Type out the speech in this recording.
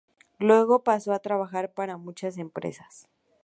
Luego pasó a trabajar para muchas empresas.